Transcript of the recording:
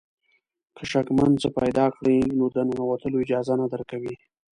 که شکمن څه پیدا کړي نو د ننوتلو اجازه نه درکوي.